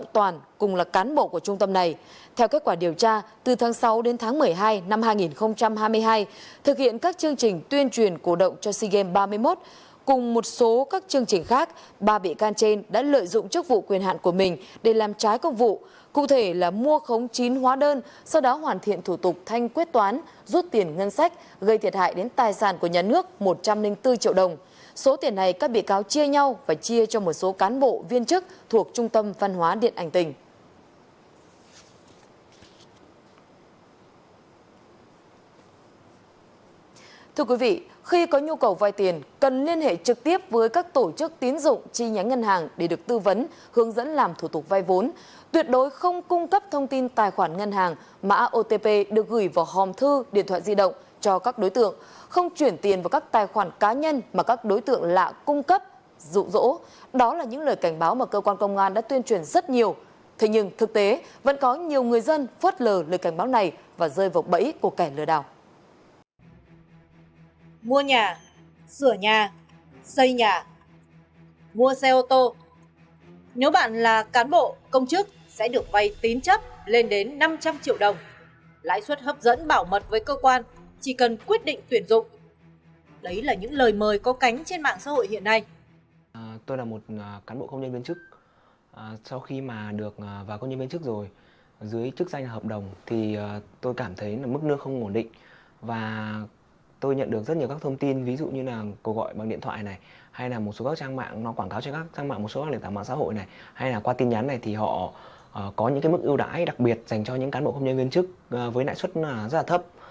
tôi nhận được rất nhiều các thông tin ví dụ như là cô gọi bằng điện thoại này hay là một số các trang mạng nó quảng cáo cho các trang mạng một số các điện tảng mạng xã hội này hay là qua tin nhắn này thì họ có những cái mức ưu đãi đặc biệt dành cho những cán bộ không nhân viên chức với lãi suất rất là thấp